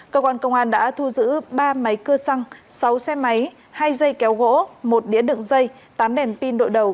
cơ quan công an đã thu giữ ba máy cơ xăng sáu xe máy hai dây kéo gỗ một đĩa đựng dây tám đèn pin đội đầu